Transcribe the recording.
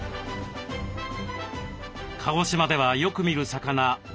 鹿児島ではよく見る魚ワニゴチ。